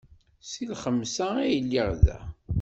Seg lxemsa ay lliɣ da.